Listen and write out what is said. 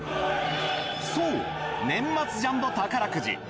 そう年末ジャンボ宝くじ。